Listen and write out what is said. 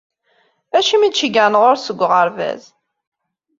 Acimi i d-ceggɛen ɣur-s seg uɣerbaz?